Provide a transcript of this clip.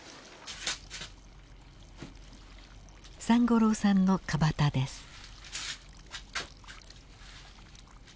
三五郎さんの川端です。